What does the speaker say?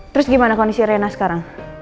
terus gimana kondisi rena sekarang